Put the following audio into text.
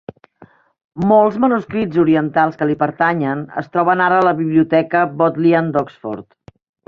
Molts manuscrits orientals que li pertanyen es troben ara a la Biblioteca Bodleian d'Oxford.